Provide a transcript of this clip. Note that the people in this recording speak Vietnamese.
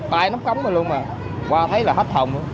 toàn nắp cống lên luôn mà qua thấy là hết hồng